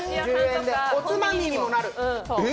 おつまみにもなる。